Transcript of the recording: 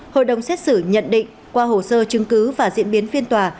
hội đồng xét xử nhận định qua hồ sơ chứng cứ và diễn biến phiên tòa